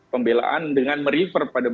pembelaan dengan merifer pada